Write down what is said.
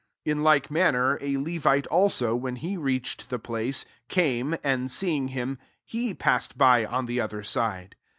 32 In like manner a Levite also^ when he reach ed the place, [camef J and see ing fdmt he passed by on the other side.